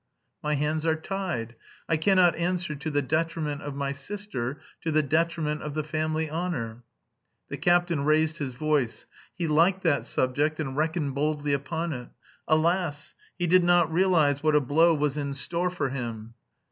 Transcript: My hands are tied; I cannot answer to the detriment of my sister, to the detriment of the family honour." The captain raised his voice. He liked that subject and reckoned boldly upon it. Alas! he did not realise what a blow was in store for him.